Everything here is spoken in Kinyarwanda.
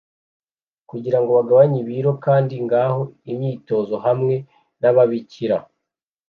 kugirango bagabanye ibiro kandi ngaho imyitozo hamwe nababikira